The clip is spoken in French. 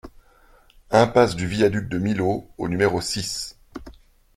Impasse du Viaduc de Millau au numéro six